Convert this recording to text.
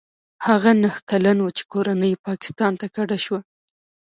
هغه نهه کلن و چې کورنۍ یې پاکستان ته کډه شوه.